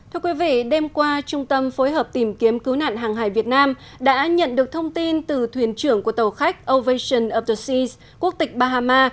thưa quý vị đêm qua trung tâm phối hợp tìm kiếm cứu nạn hàng hải việt nam đã nhận được thông tin từ thuyền trưởng của tàu khách ovation of the seas quốc tịch bahama